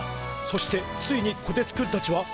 そしてついにこてつくんたちは！